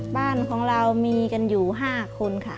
บ้านของเรามีกันอยู่๕คนค่ะ